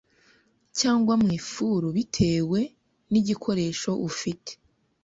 cyangwa mu ifuru bitewe n’igikoresho ufite,